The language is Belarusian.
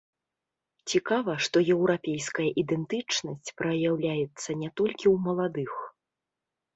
Цікава, што еўрапейская ідэнтычнасць праяўляецца не толькі ў маладых.